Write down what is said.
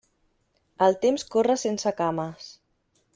El temps corre sense cames.